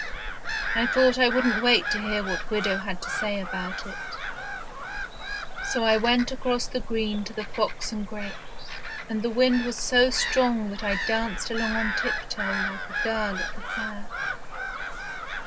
I thought I wouldn't wait to hear what widow had to say about it, so I went across the green to the " Fox and Grapes," and the wind was so strong that I danced along on tip toe like a girl at the fair.